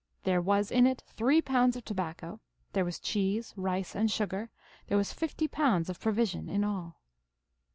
There was in it three pounds of tobacco ; there was cheese, rice, and sugar ; there was fifty pounds of provision in all."